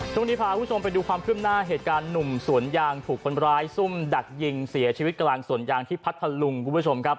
ชมญีผาผู้ชมไปดูความเคลื่อมหน้าเหตุการณ์หนุ่มสวนยางถูกคนร้ายทรุ่มดักยิงเสียชีวิตกลางสวนยางที่พัทหลุม